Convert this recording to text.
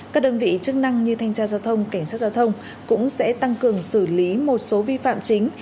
các đơn vị chức năng như thanh tra giao thông cảnh sát giao thông cũng sẽ tăng cường xử lý một số vi phạm chính